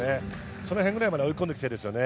そのへんぐらいまでは追い込んできているんですよね。